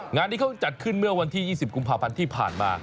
งานนี้เขาจัดขึ้นเมื่อวันที่๒๐กุมภาพันธ์ที่ผ่านมา